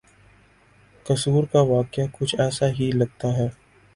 قصور کا واقعہ کچھ ایسا ہی لگتا ہے۔